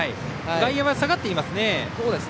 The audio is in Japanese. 外野は下がっていますね。